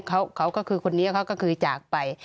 เขาก็คือคนนี้เขาก็คือจากไป